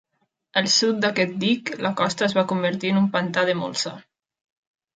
Al sud d'aquest dic, la costa es va convertir en una pantà de molsa.